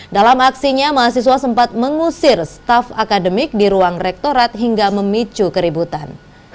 dalam aksinya mahasiswa sempat mengusir staff akademik di ruang rektorat hingga memicu keributan